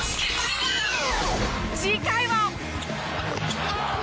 次回は。